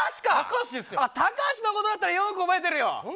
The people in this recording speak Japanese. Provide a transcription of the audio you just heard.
高橋の事だったらよく覚えているよ。